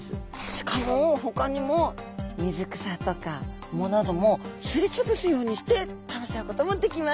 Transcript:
しかもほかにも水草とか藻などもすり潰すようにして食べちゃうこともできます。